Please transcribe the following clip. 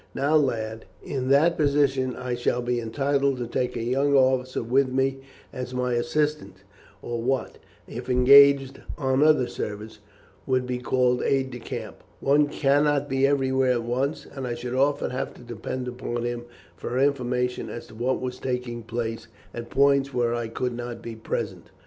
Now, lad, in that position I shall be entitled to take a young officer with me as my assistant, or what, if engaged on other service, would be called aide de camp. One cannot be everywhere at once, and I should often have to depend upon him for information as to what was taking place at points where I could not be present.